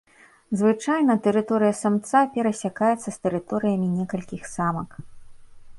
Звычайна тэрыторыя самца перасякаецца з тэрыторыямі некалькіх самак.